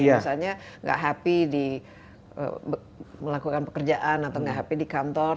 misalnya nggak happy di melakukan pekerjaan atau nggak happy di kantor